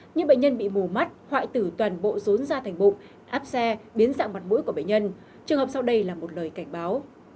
nhưng bệnh nhân bị mù mắt hoại tử toàn bộ rốn ra thành bụng áp xe biến dạng mặt mũi của bệnh nhân trường hợp sau đây là một lời cảnh báo